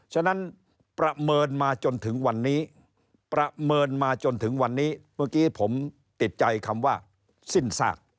ฉะนั้นประเมินมาจนถึงวันนี้ประเมินมาจนถึงวันนี้เมื่อกี้ผมติดใจคำว่าสิ้นซาก